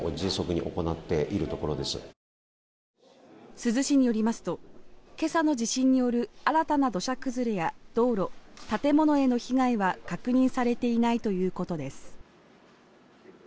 珠洲市によりますと今朝の地震による新たな土砂崩れや道路、建物への被害は確認されていないということです。